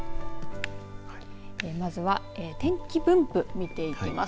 まずは天気分布、見ていきます。